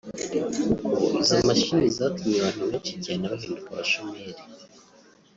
Kuko izo mashine zatumye abantu benshi cyane bahinduka abashomeri